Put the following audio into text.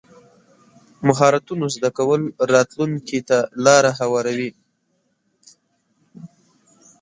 مهارتونه زده کول راتلونکي ته لار هواروي.